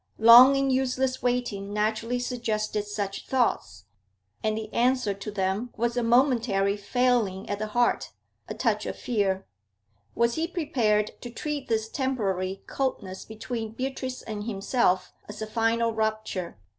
Long and useless waiting naturally suggested such thoughts, and the answer to them was a momentary failing at the heart, a touch of fear. Was he prepared to treat this temporary coldness between Beatrice and himself as a final rupture?